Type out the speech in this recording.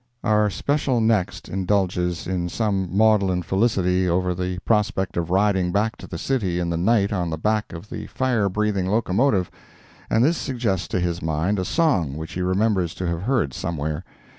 Our special next indulges in some maudlin felicity over the prospect of riding back to the city in the night on the back of the fire breathing locomotive, and this suggests to his mind a song which he remembers to have heard somewhere.